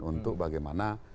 untuk bagaimana modifikasi